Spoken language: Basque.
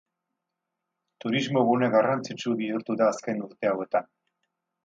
Turismogune garrantzitsu bihurtu da azken urte hauetan.